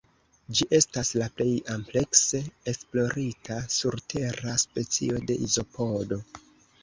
Ĝi estas la plej amplekse esplorita surtera specio de izopodo.